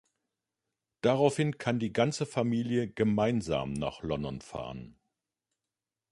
Daraufhin kann die ganze Familie gemeinsam nach London fahren.